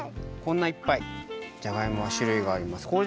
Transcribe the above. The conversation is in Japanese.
こんないっぱいじゃがいもはしゅるいがあります。